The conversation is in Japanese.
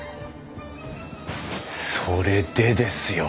それでですよ。